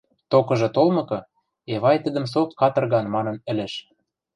Токыжы толмыкы, Эвай тӹдӹм со «катырган» манын ӹлӹш.